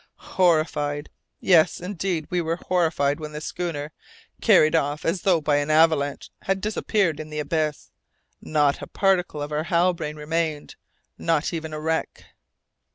Horrified! yes, indeed, we were horrified when the schooner, carried off as though by an avalanche, had disappeared in the abyss! Not a particle of our Halbrane remained, not even a wreck!